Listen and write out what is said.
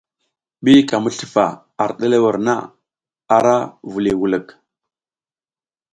Ɓi ka mi slufa ar ɗerewel na, ara vuliy wulik.